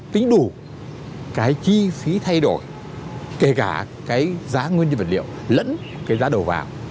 tính đủ cái chi phí thay đổi kể cả cái giá nguyên nhân vật liệu lẫn cái giá đầu vào